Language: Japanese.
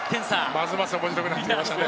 ますます面白くなってきましたね。